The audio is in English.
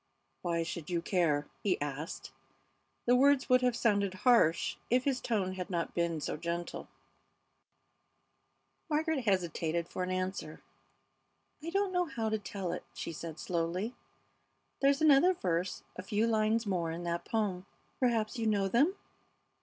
"Why should you care?" he asked. The words would have sounded harsh if his tone had not been so gentle. Margaret hesitated for an answer. "I don't know how to tell it," she said, slowly. "There's another verse, a few lines more in that poem, perhaps you know them?